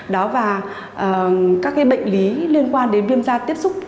đó và các cái bệnh lý liên quan đến viêm da tiếp xúc